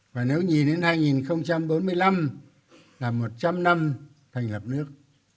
và nếu nhìn đến hai nghìn bốn mươi năm là một trăm linh năm thành lập nước